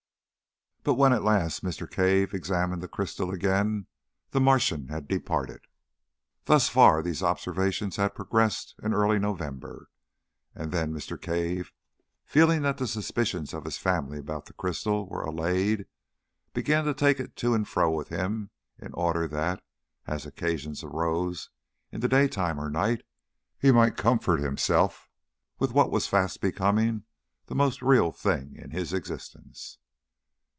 But when at last Mr. Cave examined the crystal again the Martian had departed. Thus far these observations had progressed in early November, and then Mr. Cave, feeling that the suspicions of his family about the crystal were allayed, began to take it to and fro with him in order that, as occasion arose in the daytime or night, he might comfort himself with what was fast becoming the most real thing in his existence.